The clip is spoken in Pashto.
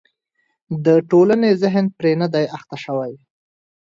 د ټولنې ذهن پرې نه دی اخته شوی.